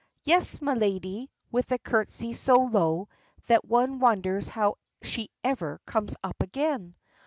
"Yes, my lady," with a curtsey so low that one wonders how she ever comes up again.